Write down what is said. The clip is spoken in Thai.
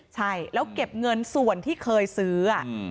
ใช่แล้วเก็บเงินส่วนที่เคยซื้อ